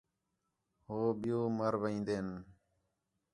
ہو ٻِیّو مَر وین٘دِن